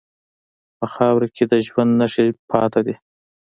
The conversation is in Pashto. په خاوره کې د ژوند نښې پاتې دي.